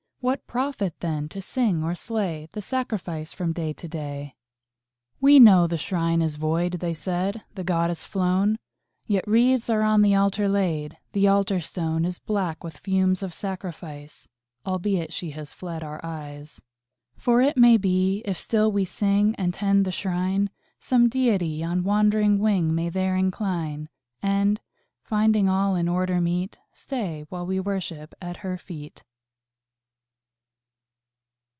What profit, then, to sing or slay The sacrifice from day to day? "We know the Shrine is void," they said, "The Goddess flown Yet wreaths are on the Altar laid The Altar Stone Is black with fumes of sacrifice, Albeit She has fled our eyes. "For it may be, if still we sing And tend the Shrine, Some Deity on wandering wing May there incline; And, finding all in order meet, Stay while we worship at Her feet."